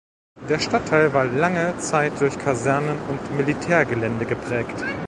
Der Stadtteil war lange Zeit durch Kasernen und Militärgelände geprägt.